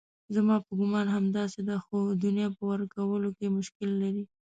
زما په ګومان همداسې ده خو دنیا په ورکولو کې مشکل لري.